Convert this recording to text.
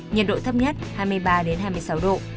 nhiệt độ thấp nhất hai mươi ba hai mươi sáu độ